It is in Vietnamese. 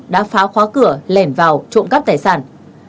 đã phá khóa cửa lẻn vào trộm cắp tài sản